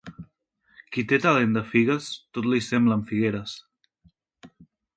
Qui té talent de figues, tot li semblen figueres.